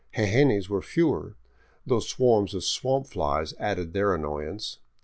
Jejenes were fewer, though swarms of swamp flies added their annoyance.